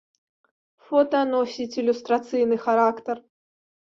Фота носіць ілюстрацыйны характар.